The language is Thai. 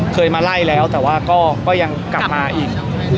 เคยมาไล่แล้วแต่ว่าก็ยังกลับมาอีก